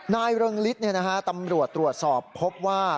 เริงฤทธิ์ตำรวจตรวจสอบพบว่า